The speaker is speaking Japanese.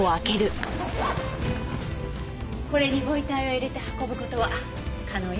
これにご遺体を入れて運ぶ事は可能よ。